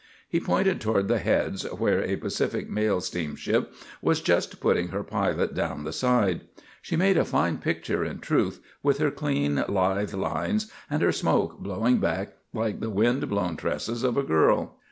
He pointed toward the Heads, where a Pacific Mail steamship was just putting her pilot down the side. She made a fine picture in truth, with her clean, lithe lines and her smoke blowing back like the wind blown tresses of a girl.